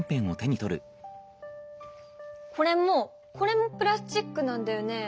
これもこれもプラスチックなんだよね？